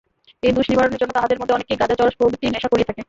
এই দোষ-নিবারণের জন্য তাহাদের মধ্যে অনেকেই গাঁজা, চরস প্রভৃতি নেশা করিয়া থাকে।